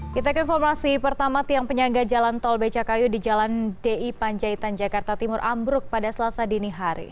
kita ke informasi pertama tiang penyangga jalan tol becakayu di jalan di panjaitan jakarta timur ambruk pada selasa dini hari